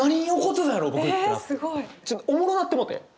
おもろなってもうて。